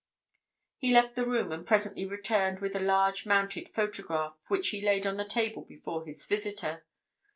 He left the room and presently returned with a large mounted photograph which he laid on the table before his visitor.